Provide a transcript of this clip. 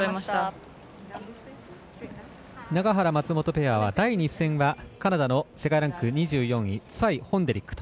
永原、松本ペアは第２戦はカナダの世界ランキング２３位ホンデリックと。